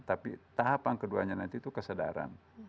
tapi tahapan keduanya nanti itu kesadaran